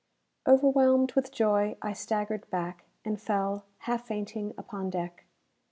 Overwhelmed with joy, I staggered back, and fell, half fainting, upon deck.